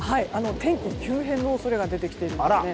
天気急変の恐れが出てきていますね。